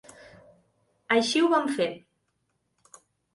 Així ho vam fer.